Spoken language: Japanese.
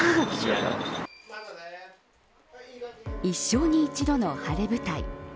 一生に一度の晴れ舞台。